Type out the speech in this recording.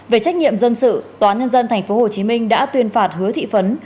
về trách nhiệm dân sự tòa nhân dân tp hcm đã tuyên phạt hứa thị phấn